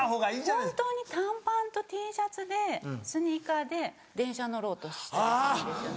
本当に短パンとＴシャツでスニーカーで電車に乗ろうとしたりするんですよね。